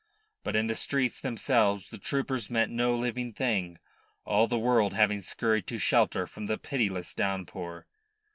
But in the streets themselves the troopers met no living thing, all the world having scurried to shelter from the pitiless downpour.